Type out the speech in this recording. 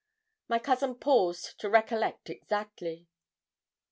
My cousin paused to recollect exactly.